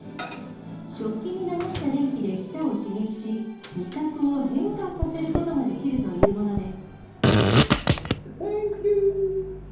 食器に流した電気で舌を刺激し、味覚を変化させることができるというものです。